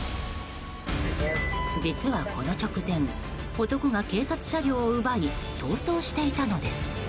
実は、この直前男が警察車両を奪い逃走していたのです。